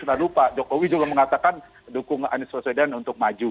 kita lupa jokowi juga mengatakan dukung anies baswedan untuk maju